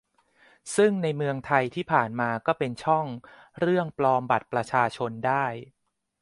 ซึ่งในเมืองไทยที่ผ่านมาก็เป็นช่องเรื่องปลอมบัตรประชาชนได้